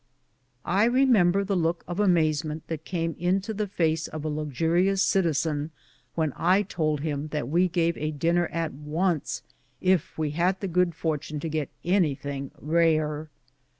I remember the look of amazement that came into the face of a luxurious citizen when I told him tha* we gave a dinner at once if we had the good fortune to get anything rare.